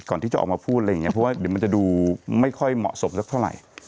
ก่อนที่จะออกมาพูดอะไรอย่างนี้เพราะว่าเดี๋ยวมันจะดูไม่ค่อยเหมาะสมสักเท่าไหร่